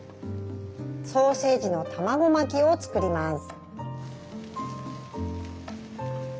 ソーセージの卵巻きを作ります。